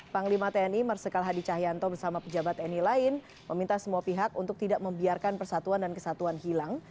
panglima tni marsikal hadi cahyanto bersama pejabat tni lain meminta semua pihak untuk tidak membiarkan persatuan dan kesatuan hilang